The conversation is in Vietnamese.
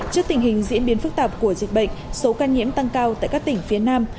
trước tình hình diễn biến phức tạp của dịch bệnh số ca nhiễm tăng cao tại các tỉnh phía nam